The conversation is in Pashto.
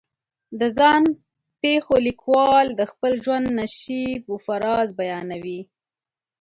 د ځان پېښو لیکوال د خپل ژوند نشیب و فراز بیانوي.